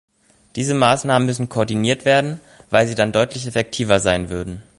Diese Maßnahmen müssen koordiniert werden, weil sie dann deutlich effektiver sein würden.